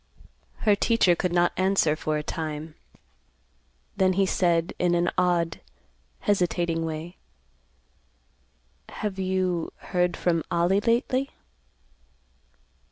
Her teacher could not answer for a time; then he said, in an odd, hesitating way, "Have you heard from Ollie lately?"